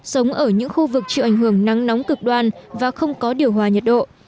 sống ở những khu vực chịu ảnh hưởng nắng nóng cực đoan và không có điều hòa nhiệt độ